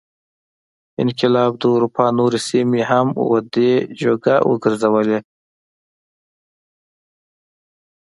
انقلاب د اروپا نورې سیمې هم ودې جوګه وګرځولې.